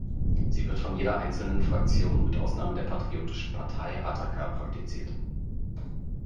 Sie wird von jeder einzelnen Fraktion mit Ausnahme der patriotischen Partei Ataka praktiziert.